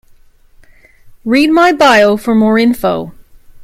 Read my bio for more info.